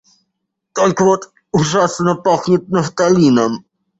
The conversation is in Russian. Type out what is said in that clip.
Только вот ужасно пахнет нафталином.